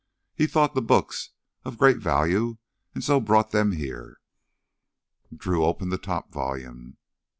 He thought the books of great value and so brought them here." Drew opened the top volume.